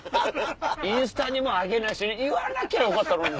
インスタにも上げないし言わなきゃよかったのに。